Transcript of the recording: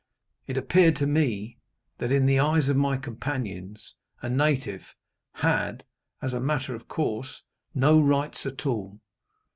It appeared to me that, in the eyes of my companions, a native had, as a matter of course, no rights at all.